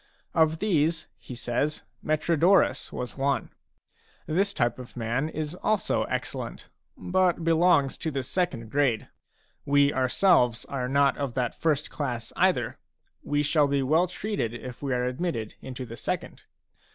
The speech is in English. Of these, he says, Metrodorus was one ; this type of man is also excellent, but belongs to the second grade. We ourselves are not of that first class, either ; we shall be well treated if we are admitted into the second.